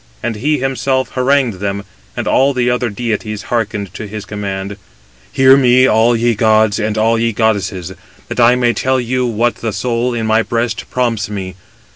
And he himself harangued them, and all the other deities hearkened (to his command): 266 "Hear me, all ye gods and all ye goddesses, that I may tell you what the soul in my breast prompts me.